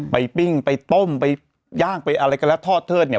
ปิ้งไปต้มไปย่างไปอะไรก็แล้วทอดเทิดเนี่ย